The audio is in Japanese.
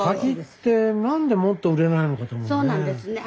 柿って何でもっと売れないのかと思うね。